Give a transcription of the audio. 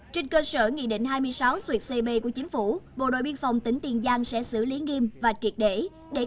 trên cơ sở nghị định hai mươi sáu xuyệt cb của chính phủ bộ đội biên phòng tỉnh tiền giang sẽ xử lý nghiêm và triệt để